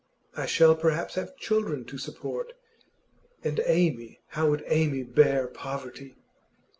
I shall perhaps have children to support; and Amy how would Amy bear poverty?